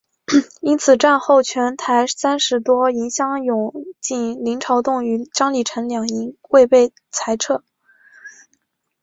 因此战后全台三十多营乡勇仅林朝栋与张李成两营未被裁撤。